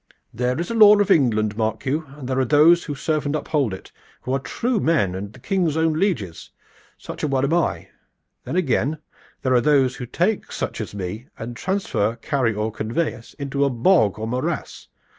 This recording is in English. "There is a law of England, mark you, and there are those who serve and uphold it, who are the true men and the King's own lieges. Such a one am I. Then again, there are those who take such as me and transfer, carry or convey us into a bog or morass.